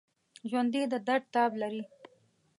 ژوندي د درد تاب لري